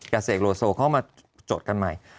กับเศกโลโซเขาก็มาจดกันใหม่